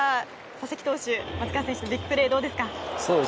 佐々木投手、松川選手のビッグプレーどうですか？